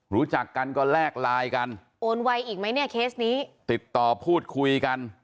รู้จักกันก็แลกไลน์กันโอนไวอีกไหมเนี่ยเคสนี้ติดต่อพูดคุยกัน